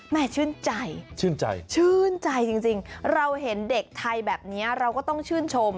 ชื่นใจชื่นใจชื่นใจจริงเราเห็นเด็กไทยแบบนี้เราก็ต้องชื่นชม